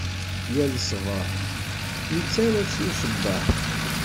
Yal ṣṣbeḥ, yettarra-tt i usebbeḥ.